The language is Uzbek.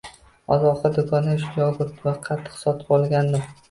Oziq-ovqat do‘konidan yogurt va qatiq sotib olgandim.